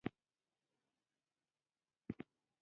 ګیلاس له ترموزه ځان ته چای اخلي.